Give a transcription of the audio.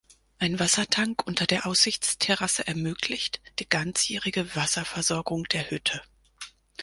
Ein Wassertank unter der Aussichtsterrasse ermöglicht die ganzjährige Wasserversorgung der Hütte.